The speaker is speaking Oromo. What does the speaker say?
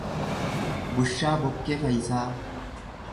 Bushaa Bokkee Fayisaa